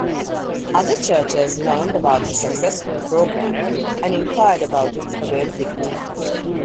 Other churches learned about the success of the program and inquired about its availability.